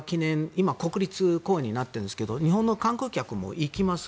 今、国立公園になっていますが日本の観光客も行きます。